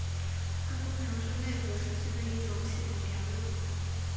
它通常是内核实现的一种系统调用。